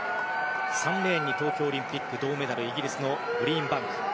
３レーン東京オリンピック、銅メダルのイギリスのグリーンバンク。